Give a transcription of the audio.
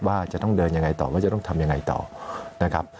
ว่าจะต้องเดินยังไงต่อว่าจะต้องทำยังไงต่อนะครับ